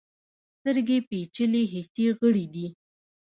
سترګې پیچلي حسي غړي دي.